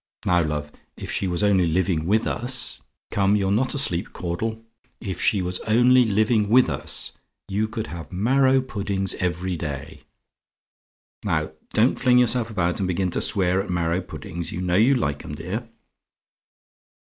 Now, love, if she was only living with us come, you're not asleep, Caudle if she was only living with us, you could have marrow puddings every day. Now, don't fling yourself about and begin to swear at marrow puddings; you know you like 'em, dear.